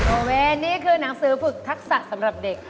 โอเคนี่คือหนังสือฝึกทักษะสำหรับเด็ก